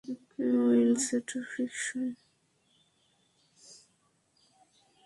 Well সেটা fiction.